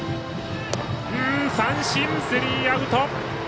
三振、スリーアウト。